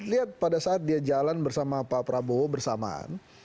lihat pada saat dia jalan bersama pak prabowo bersamaan